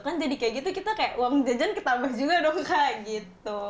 kan jadi kayak gitu kita kayak uang jajan ketabah juga dong kak gitu